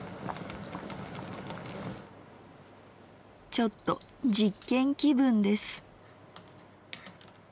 ちょっと実験気分です。